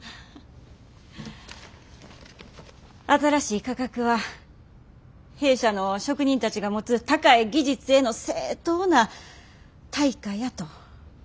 新しい価格は弊社の職人たちが持つ高い技術への正当な対価やと思うております。